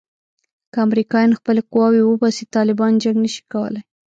که امریکایان خپلې قواوې وباسي طالبان جنګ نه شي کولای.